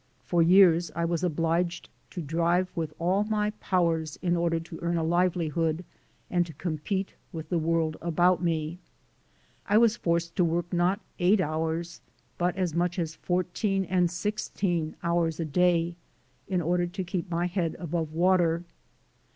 For years I was obliged to drive with all my powers in order to earn a livelihood and to com pete with the world about me. I was forced to work not eight hours, but as much as fourteen and sixteen hours a day in order to keep my head above water.